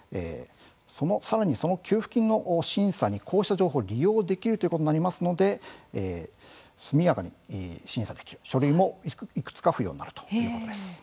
さらに、その給付金の審査にこうした情報、利用できるということになりますので速やかに審査できる書類も、いくつか不要になるということです。